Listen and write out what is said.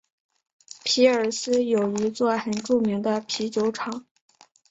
皮尔斯有一座很著名的啤酒厂。